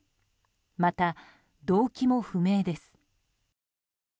また、動機も不明です。